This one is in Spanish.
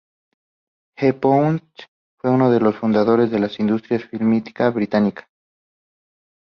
Hepworth fue uno de los fundadores de la industria fílmica británica.